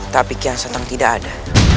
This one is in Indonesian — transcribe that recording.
tapi kian senang tidak ada